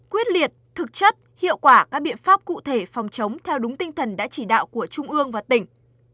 quyết liệt thực chất hiệu quả các biện pháp cụ thể phòng chống theo đúng tinh thần đã chỉ đạo của trung ương và tỉnh